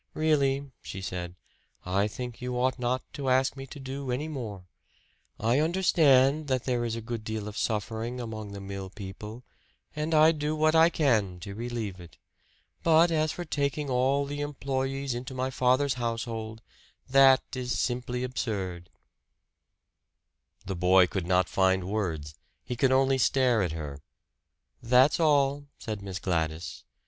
"Really," she said, "I think you ought not to ask me to do any more. I understand that there is a good deal of suffering among the mill people, and I do what I can to relieve it. But as for taking all the employees into my father's household that is simply absurd." The boy could not find words. He could only stare at her. "That's all," said Miss Gladys.